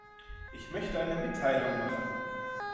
Ich möchte eine Mitteilung machen.